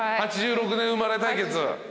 ８６年生まれ対決。